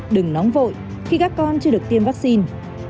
đừng nóng vội khi các con chưa được tiêm vaccine